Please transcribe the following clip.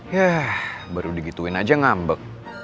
ya baru digituin aja ngambek